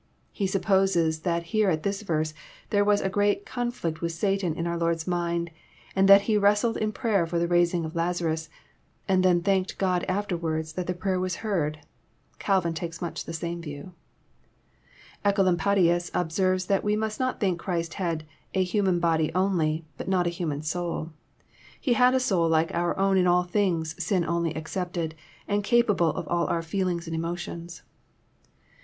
He supposes that here at this verse, there was a great conflict with Satan in our Lord's mind, and that He wrestled in prayer for the raising of Lazarus, and then thanked God afterwards that the prayer was heard. Calvin takes much the same view. Ecolampadius observes that we must not think Christ had a human body only, and not a human soul. He had a soul like our own in all things, sin only excepted, and capable of all our feel ings and emotions.